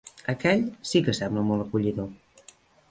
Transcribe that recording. Aquell, sí que sembla molt acollidor.